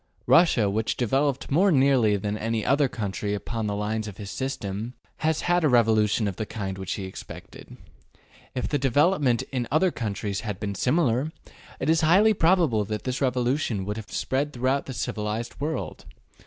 Russia, which devel oped more nearly than any other country upon the lines of his system, has had a revolution of the kind which he expected. If the development in other countries had been similar, it is highly probable that this revolution would have spread throughout the civilized world.